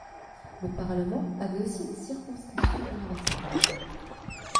Le Parlement avait aussi des circonscriptions universitaires.